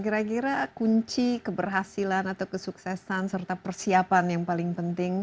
kira kira kunci keberhasilan atau kesuksesan serta persiapan yang paling penting